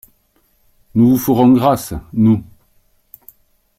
Nous vous ferons grâce, nous.